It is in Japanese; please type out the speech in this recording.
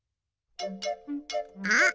あっ！